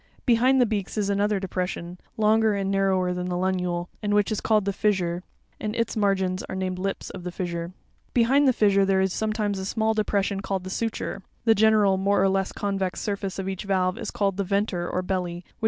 Behind the beaks is another depression, longer and narrower than the funule, and which is called the fissure (f}, and its margins are named lips of the fissure (Uf). Behind the fissure there is sometimes a smali depression called the suture (s). 'The general more or less convex surface of each valve is called the "'venter," or belly, which Fig.